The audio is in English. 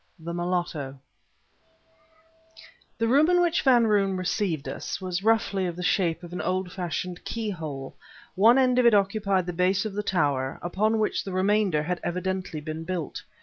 THE MULATTO The room in which Van Roon received us was roughly of the shape of an old fashioned keyhole; one end of it occupied the base of the tower, upon which the remainder had evidently been built.